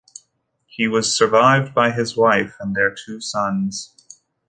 He was survived by his wife and their two sons.